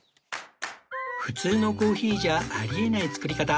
普通のコーヒーじゃあり得ない作り方